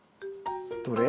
どれ？